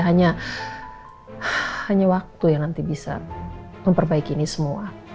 hanya hanya waktu ya nanti bisa memperbaiki ini semua